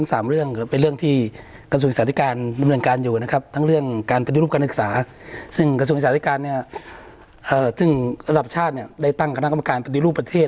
ซึ่งกระทรวงอินสาธิการสำหรับชาติได้ตั้งคณะคำการปฏิรูปประเทศ